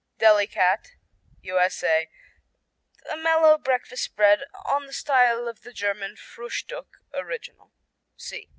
Delikat U.S.A. A mellow breakfast spread, on the style of the German Frühstück original.